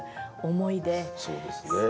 そうですね。